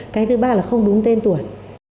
cái thứ ba là không đúng tên tuổi